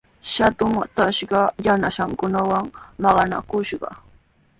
Shatu matrashqa yanasankunawan maqanakushqa.